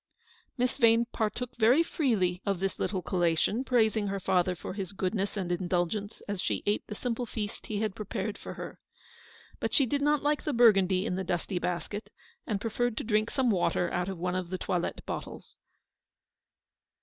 Miss Vane partook very freely of this little 38 Eleanor's victory. collation, praising her father for his goodness and indulgence as she ate the simple feast he had prepared for her. But she did not like the Bur gundy in the dusty basket, and preferred to drink some water out of one of the toilette bottles.